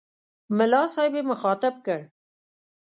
ملا صاحب یې مخاطب کړ.